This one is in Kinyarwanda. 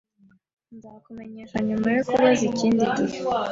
Nzakumenyesha nyuma yo kubaza ikindi gihe